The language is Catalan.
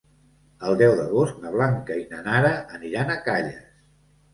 El deu d'agost na Blanca i na Nara aniran a Calles.